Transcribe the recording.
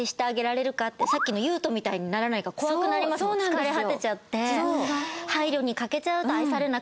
疲れ果てちゃって。